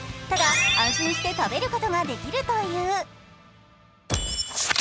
ただ安心して食べることができるという。